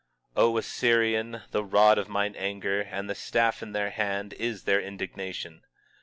20:5 O Assyrian, the rod of mine anger, and the staff in their hand is their indignation.